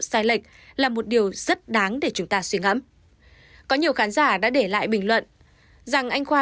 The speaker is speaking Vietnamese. sai lệch là một điều rất đáng để chúng ta suy ngẫm có nhiều khán giả đã để lại bình luận rằng anh khoa